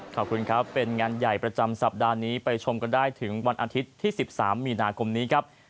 ขอบคุณครับเป็นงานใหญ่ประจำสัปดาห์นี้ไปชมกันได้ถึงวันอาทิตย์ที่๑๓มีนาคมนี้ครับ